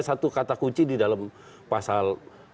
satu kata kunci di dalam pasal